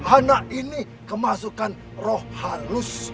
anak ini kemasukan roh halus